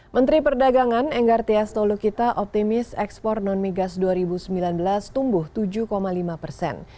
menteri perdagangan enggar tias tolukita optimis ekspor non migas dua ribu sembilan belas tumbuh tujuh lima persen